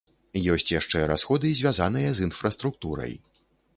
Ёсць яшчэ расходы, звязаныя з інфраструктурай.